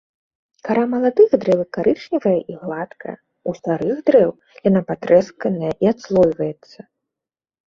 Кара маладых дрэў карычневая і гладкая, у старых дрэў яна патрэсканая і адслойвацца.